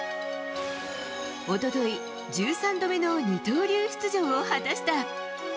おととい、１３度目の二刀流出場を果たした。